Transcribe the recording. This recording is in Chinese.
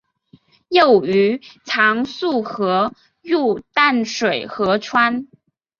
幼鱼常溯河入淡水河川。